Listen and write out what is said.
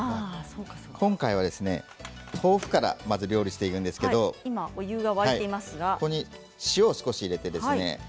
今回は豆腐から料理していくんですが塩を少し入れてですね